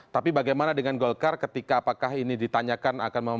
tapi bagaimana dengan golkar ketika apakah ini ditanyakan akan